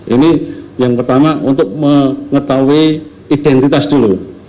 ini yang pertama untuk mengetahui identitas dulu